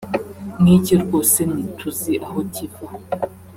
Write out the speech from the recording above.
nk’icyo rwose ntituzi aho kiva